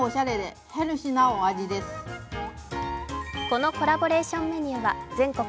このコラボレーションメニューは全国